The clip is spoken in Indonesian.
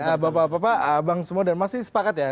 jadi bapak bapak abang semua dan mas sih sepakat ya